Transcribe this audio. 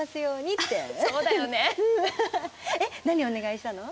何お願いしたの？